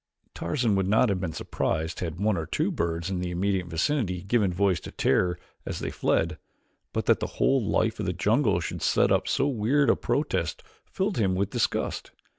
Tarzan would not have been surprised had one or two birds in the immediate vicinity given voice to terror as they fled, but that the whole life of the jungle should set up so weird a protest filled him with disgust.